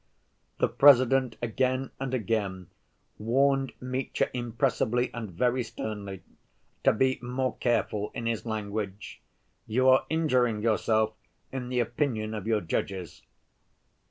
The President again and again warned Mitya impressively and very sternly to be more careful in his language. "You are injuring yourself in the opinion of your judges."